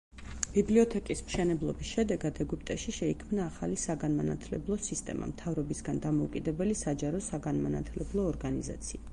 ბიბლიოთეკის მშენებლობის შედეგად ეგვიპტეში შეიქმნა ახალი საგანმანათლებლო სისტემა, მთავრობისგან დამოუკიდებელი საჯარო საგანმანათლებლო ორგანიზაცია.